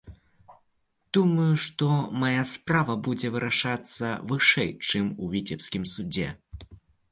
Думаю, што мая справа будзе вырашацца вышэй, чым у віцебскім судзе.